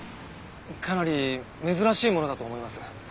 かなり珍しいものだと思います。